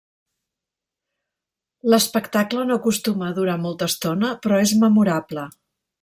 L'espectacle no acostuma a durar molta estona però és memorable.